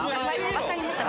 分かりました。